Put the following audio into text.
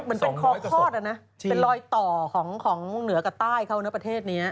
เหมือนเป็นคลองคลอดนะเป็นรอยต่อของเหนือกับใต้เขานะประเทศนี้